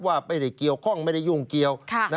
ว่าไม่ได้เกี่ยวข้องไม่ได้ยุ่งเกี่ยว